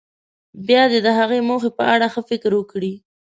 بیا دې د هغې موخې په اړه ښه فکر وکړي.